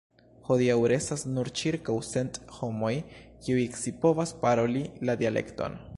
Hodiaŭ restas nur ĉirkaŭ cent homoj kiuj scipovas paroli la dialekton.